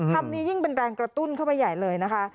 คำนี้ยิ่งเป็นแรงกระตุ้นเข้าไปใหญ่เลยนะคะ